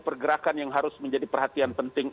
pergerakan yang harus menjadi perhatian penting